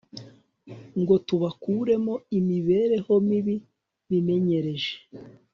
ngo tubakuremo imibereho mibi bimenyereje